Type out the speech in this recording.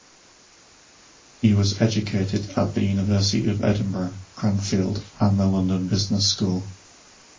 He was educated at the University of Edinburgh, Cranfield and the London Business School.